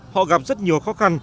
họ gặp rất nhiều khó khăn